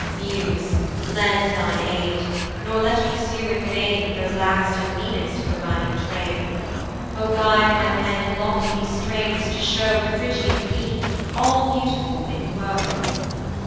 Muse! lend thy aid, nor let me sue in vain, Tho' last and meanest of the rhyming train! O guide my pen in lofty strains to show The Phrygian queen, all beautiful in woe.